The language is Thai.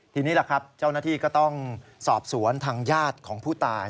ทีนี้ล่ะครับเจ้าหน้าที่ก็ต้องสอบสวนทางญาติของผู้ตาย